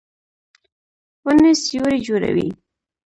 ونې سیوری جوړوي